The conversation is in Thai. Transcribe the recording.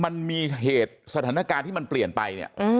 มันมีเหตุสถานการณ์ที่มันเปลี่ยนไปเนี่ย